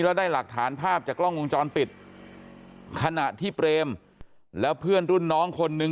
แล้วได้หลักฐานภาพจากกล้องวงจรปิดขณะที่เปรมแล้วเพื่อนรุ่นน้องคนนึง